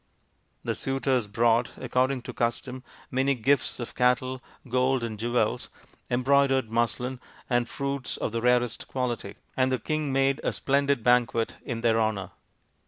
The suitors brought, according to custom, many gifts of cattle, gold, and jewels, embroidered muslin, and fruits of the rarest quality ; and the king made a splendid banquet in their honour.